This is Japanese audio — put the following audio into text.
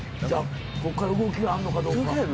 ここから動きがあるのかどうか。